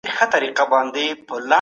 د بدن لپاره مېوې بې مثاله تحفه ده.